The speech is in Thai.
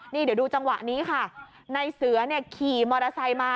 นี่เดี๋ยวดูจังหวะนี้ค่ะในเสือเนี่ยขี่มอเตอร์ไซค์มา